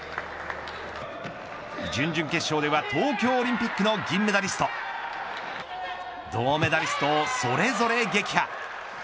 準々決勝では東京オリンピックの銀メダリスト銅メダリストをそれぞれ撃破。